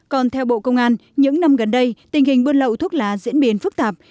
còn theo bộ công an những năm gần đây tình hình buôn lậu thuốc lá diễn biến phức tạp